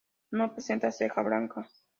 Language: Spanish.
No presenta ceja blanca.